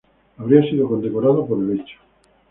Habría sido condecorado por el hecho.